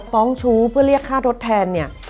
ชู้เพื่อเรียกค่าทดแทนเนี่ย